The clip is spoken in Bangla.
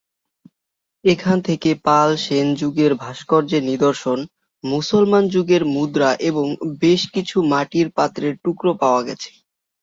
এখান থেকে পাল-সেনযুগের ভাস্কর্যের নিদর্শন, মুসলমান যুগের মুদ্রা এবং বেশ কিছু মাটির পাত্রের টুকরো পাওয়া গেছে।